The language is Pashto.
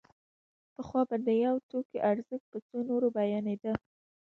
پخوا به د یو توکي ارزښت په څو نورو بیانېده